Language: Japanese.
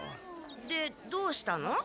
でどうしたの？